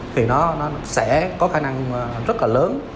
thì nó sẽ có khả năng rất là lớn